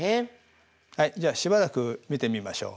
はいじゃあしばらく見てみましょう。